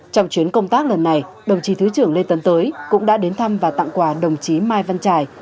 trong chuyến công tác lần này đồng chí thứ trưởng lê tấn tới cũng đã đến thăm và tặng quà đồng chí mai văn trải